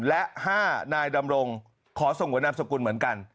และ๕นายดำรงขอส่งหัวนามสกุลเหมือนกัน